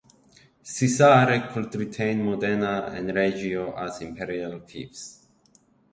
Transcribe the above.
Cesare could retain Modena and Reggio as Imperial fiefs.